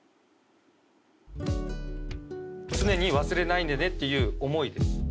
常に忘れないでねっていう思いです。